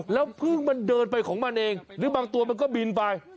แล้วพึ่งมันเดินไปของมันเองหรือบางตัวมันก็บินไป